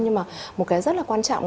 nhưng mà một cái rất là quan trọng